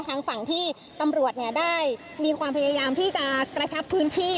ทางฝั่งที่ตำรวจได้มีความพยายามที่จะกระชับพื้นที่